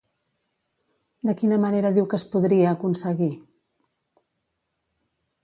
De quina manera diu que es podria aconseguir?